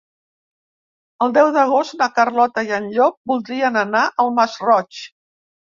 El deu d'agost na Carlota i en Llop voldrien anar al Masroig.